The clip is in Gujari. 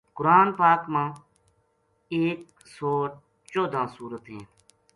قرآن پاک ما ما ایک سو چوداں سورت ہیں۔